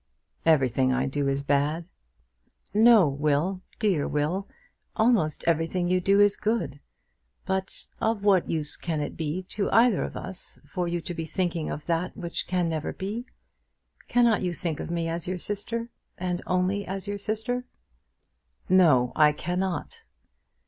"Everything I do is bad." "No, Will: dear Will! Almost everything you do is good. But of what use can it be to either of us for you to be thinking of that which can never be? Cannot you think of me as your sister, and only as your sister?" "No; I cannot."